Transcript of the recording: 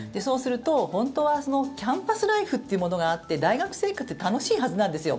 本当は、キャンパスライフというものがあって大学生活って楽しいはずなんですよ。